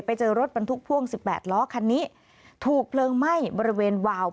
ไปเจอรถบรรทุกพ่วง๑๘ล้อคันนี้ถูกเพลิงไหม้บริเวณวาว